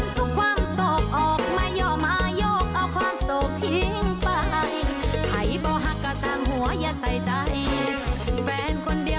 ต้องมาถึงคลิปส่วนท้ายวันนี้